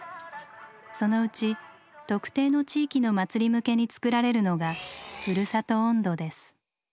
そのうち特定の地域の祭り向けに作られるのが「ふるさと音頭」です。